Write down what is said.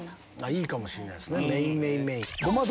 いいかもしれないです。